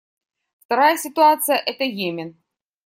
Вторая ситуация — это Йемен.